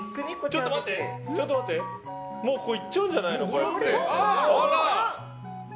ちょっと待ってもういっちゃうんじゃないの？